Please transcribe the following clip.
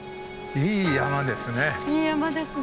いい山ですね。